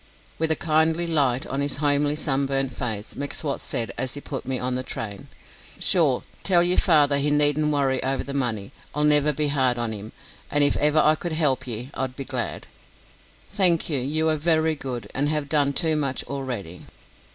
With a kindly light on his homely sunburnt face, M'Swat said, as he put me on the train: "Sure, tell yer father he needn't worry over the money. I'll never be hard on him, an' if ever I could help ye, I'd be glad." "Thank you; you are very good, and have done too much already."